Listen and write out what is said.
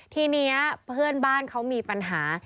ทีนี้เพื่อนบ้านเขามีปัญหา